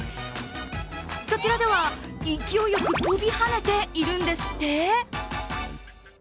そちらでは、勢いよく跳びはねているんですって？